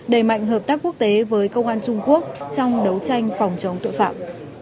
đẩy mạnh hợp tác quốc tế với công an trung quốc trong đấu tranh phòng chống tội phạm